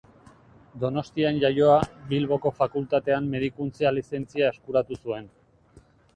Donostian jaioa, Bilboko Fakultatean Medikuntza Lizentzia eskuratu zuen.